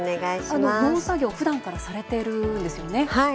農作業、ふだんからされているんですよね。